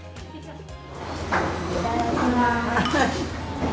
いただきます。